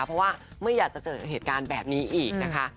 เพราะว่าไม่อยากจะเจอเหตุการณ์แบบนี้อีกนะคะ